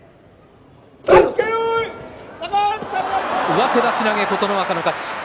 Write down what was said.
上手出し投げ琴ノ若の勝ち。